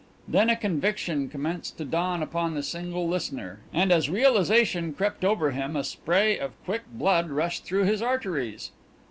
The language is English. Then a conviction commenced to dawn on the single listener, and as realisation crept over him a spray of quick blood rushed through his arteries.